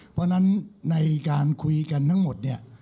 เพราะฉะนั้นในการคุยกันทั้งหมดเนี่ย